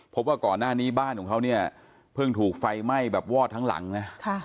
พบว่าก่อนหน้านี้บ้านของเขาเนี่ยเพิ่งถูกไฟไหม้แบบวอดทั้งหลังนะ